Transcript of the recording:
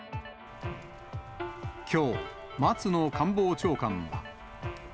きょう、松野官房長官は。